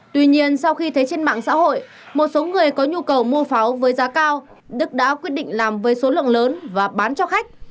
tuy nhiên sau khi thấy trên mạng xã hội một số người có nhu cầu mua pháo với giá cao đức đã quyết định làm với số lượng lớn và bán cho khách